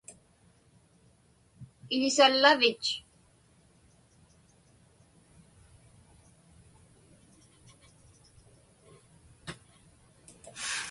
Iḷisallavich?